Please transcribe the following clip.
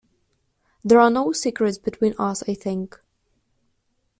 There are no secrets between us, I think.